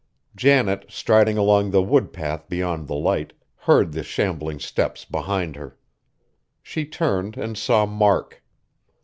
Janet, striding along the wood path beyond the Light, heard the shambling steps behind her. She turned and saw Mark.